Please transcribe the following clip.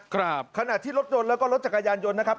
ครับขณะที่รถยนต์แล้วก็รถจักรยานยนต์นะครับ